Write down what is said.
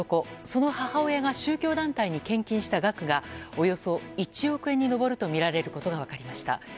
その母親が宗教団体に献金した額がおよそ１億円に上るとみられることが分かりました。